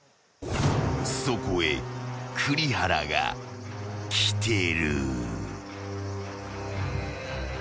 ［そこへ栗原が来てる］